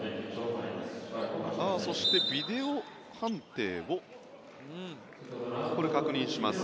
そして、ビデオ判定をここで確認します。